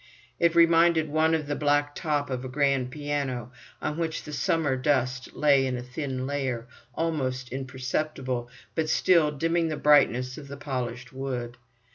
It reminded one of the black top of a grand piano, on which the summer dust lay in a thin layer, almost imperceptible, but still dimming the brightness of the polished wood.